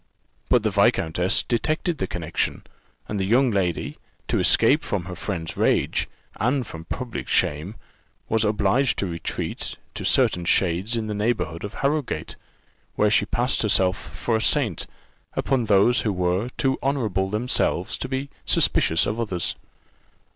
But the viscountess detected the connexion, and the young lady, to escape from her friend's rage, and from public shame, was obliged to retreat to certain shades in the neighbourhood of Harrowgate; where she passed herself for a saint upon those who were too honourable themselves to be suspicious of others.